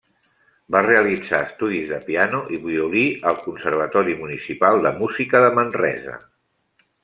Va realitzar estudis de piano i violí al Conservatori Municipal de Música de Manresa.